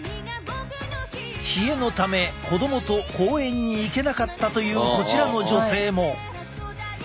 冷えのため子供と公園に行けなかったというこちらの女性も。